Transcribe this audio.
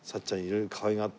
色々かわいがって。